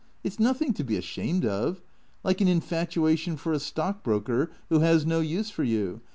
It 's nothing to be ashamed of — like an infatuation for a stock broker who has no use for you.